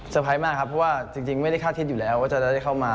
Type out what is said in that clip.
ไพรส์มากครับเพราะว่าจริงไม่ได้คาดคิดอยู่แล้วว่าจะได้เข้ามา